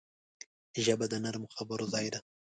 ژبه د نرمو خبرو ځای ده